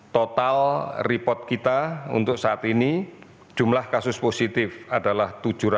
total report kita untuk saat ini jumlah kasus positif adalah tujuh ratus